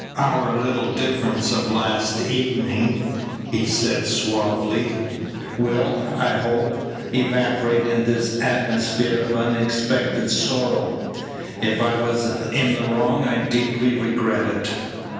"Our little difference of last evening," he said suavely, "will, I hope, evaporate in this atmosphere of unexpected sorrow. If I was in the wrong I deeply regret it.